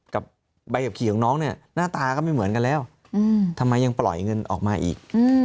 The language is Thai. กับใบขับขี่ของน้องเนี่ยหน้าตาก็ไม่เหมือนกันแล้วทำไมยังปล่อยเงินออกมาอีก